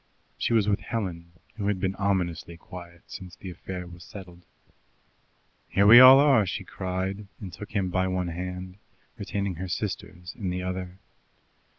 She was with Helen, who had been ominously quiet since the affair was settled. "Here we all are!" she cried, and took him by one hand, retaining her sister's in the other.